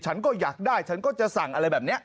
ฉันก็อยากได้ฉันก็จะสั่งอะไรแบบนี้